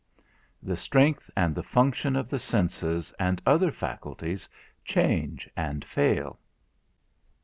_The Strength and the function of the senses, and other faculties, change and fail.